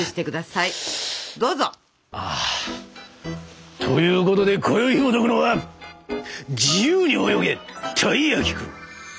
あということでこよいひもとくのは「自由に泳げ！たい焼きくん」。